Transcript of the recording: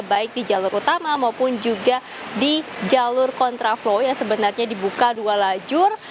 baik di jalur utama maupun juga di jalur kontra flow yang sebenarnya dibuka dua lajur